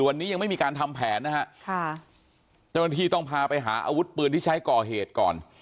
วันนี้ยังไม่มีการทำแผนนะฮะค่ะเจ้าหน้าที่ต้องพาไปหาอาวุธปืนที่ใช้ก่อเหตุก่อน